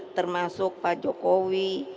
termasuk pak jokowi